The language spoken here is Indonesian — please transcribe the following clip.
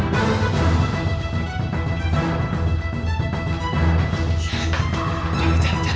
jangan jangan jangan